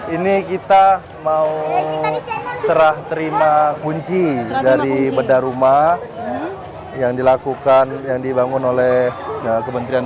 ini kita mau serah terima kunci dari bedah rumah yang dilakukan yang dibangun oleh kementerian